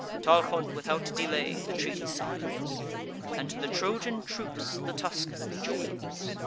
Tarchon, without delay, the treaty signs, And to the Trojan troops the Tuscan joins.